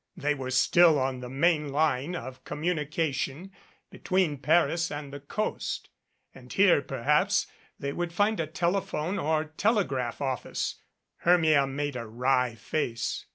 They were still on the main line of communication between Paris and the Coast, and here perhaps they would find a telephone or telegraph office. Hermia made a wry face.